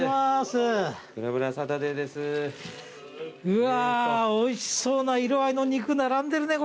うわーおいしそうな色合いの肉並んでるねこれ。